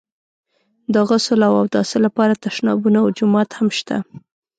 د غسل او اوداسه لپاره تشنابونه او جومات هم شته.